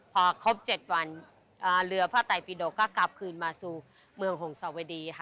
พอครบ๗วันเรือพระไตปิดกก็กลับคืนมาสู่เมืองหงสวดีค่ะ